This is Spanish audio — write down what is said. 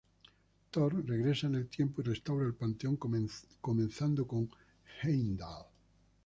Thor regresa en el tiempo y restaura el panteón, comenzando con Heimdall.